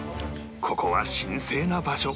ここは神聖な場所